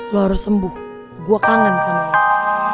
lo harus sembuh gue kangen sama lo